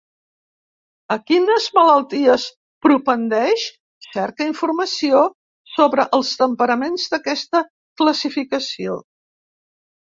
A quines malalties propendeix? Cerca informació sobre els temperaments d'aquesta classificació.